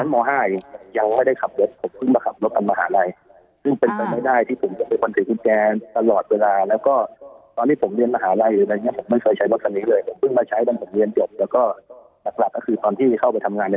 วันนี้คือเก้าค่ะตอนนั้นมห้าอียนยังไม่ได้ขับรถผมเพิ่งมาขับรถการรมหาลัย